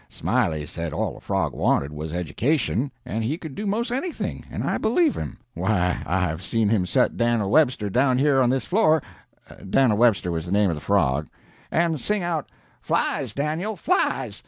Smiley said all a frog wanted was education, and he could do 'most anything and I believe him. Why, I've seen him set Dan'l Webster down here on this floor Dan'l Webster was the name of the frog and sing out, 'Flies, Dan'l, flies!'